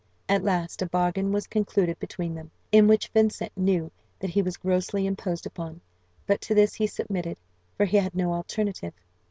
At last, a bargain was concluded between them, in which Vincent knew that he was grossly imposed upon; but to this he submitted, for he had no alternative.